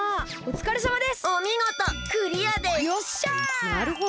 おつかれさまです！